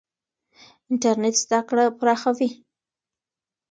انټرنېټ زده کړه پراخوي.